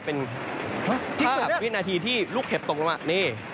เป็นภาพวินาทีที่ลูกเห็บตกลงมานี่